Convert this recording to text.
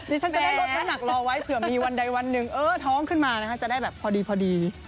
ฉันจะได้ลดน้ำหนักรอไว้เผื่อมีวันใดวันหนึ่งท้องขึ้นมานะคะจะได้แบบพอดี